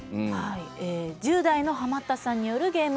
１０代のハマったさんによるゲーム作り。